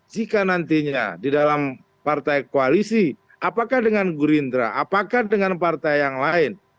jika nantinya di dalam partai koalisi apakah dengan gerindra apakah dengan partai yang lain